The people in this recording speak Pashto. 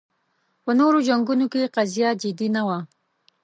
په نورو جنګونو کې قضیه جدي نه وه